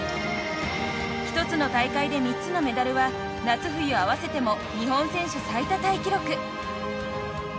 １つの大会で３つのメダルは夏冬合わせても日本選手最多タイ記録。